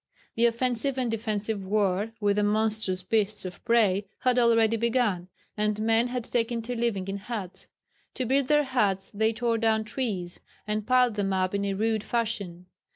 The offensive and defensive war with the monstrous beasts of prey had already begun, and men had taken to living in huts. To build their huts they tore down trees, and piled them up in a rude fashion.